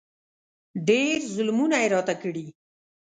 ډېر ظلمونه یې راته کړي.